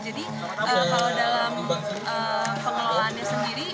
jadi kalau dalam pengelolaannya sendiri